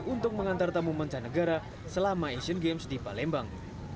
untuk mengantar tamu mancanegara selama asian games di palembang